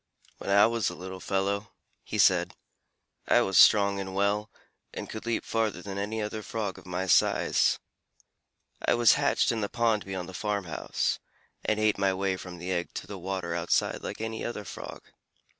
"When I was a little fellow," he said, "I was strong and well, and could leap farther than any other Frog of my size. I was hatched in the pond beyond the farm house, and ate my way from the egg to the water outside like any other Frog.